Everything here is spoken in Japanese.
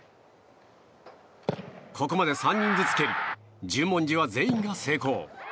ここまで３人ずつ蹴り十文字は全員が成功。